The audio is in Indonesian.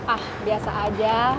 ah biasa aja